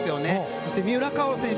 そして三浦佳生選手